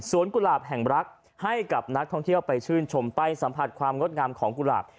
กุหลาบแห่งรักให้กับนักท่องเที่ยวไปชื่นชมไปสัมผัสความงดงามของกุหลาบ